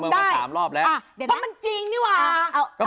เพราะมันจริงนี่หว่า